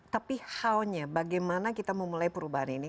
tapi how nya bagaimana kita mau mulai perubahan ini